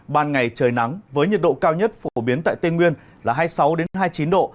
ban ngày trời nắng với nhiệt độ cao nhất phổ biến tại tây nguyên là hai mươi sáu hai mươi chín độ